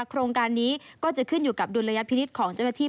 โครงการนี้ก็จะขึ้นอยู่กับดุลยพินิษฐ์ของเจ้าหน้าที่